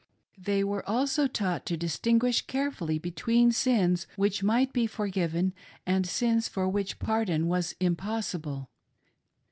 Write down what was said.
They were also taught to distinguish carefully between sins which might be forgiven, and sins for which pardon was impossible.